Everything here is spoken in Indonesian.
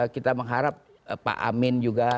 kita mengharap pak amin juga